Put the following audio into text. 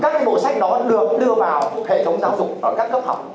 các bộ sách đó được đưa vào hệ thống giáo dục ở các cấp học